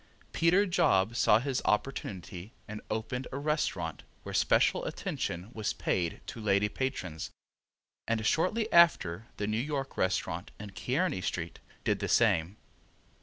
Peter Job saw his opportunity and opened a restaurant where special attention was paid to lady patrons, and shortly after the New York restaurant, in Kearny street, did the same.